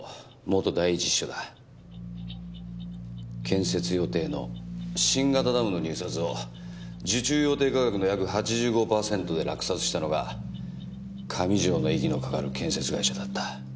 建設予定の新型ダムの入札を受注予定価格の約８５パーセントで落札したのが上条の息のかかる建設会社だった。